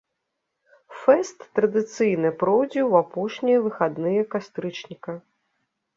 Фэст традыцыйна пройдзе ў апошнія выхадныя кастрычніка.